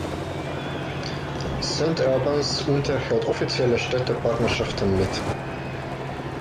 St Albans unterhält offizielle Städtepartnerschaften mit